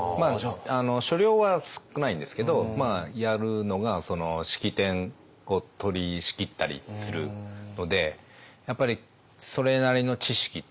所領は少ないんですけどやるのが式典を取りしきったりするのでやっぱりそれなりの知識っていうんですかね